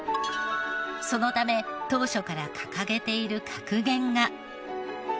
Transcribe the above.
そのため当初から掲げている格言が。